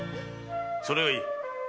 ・それがいい。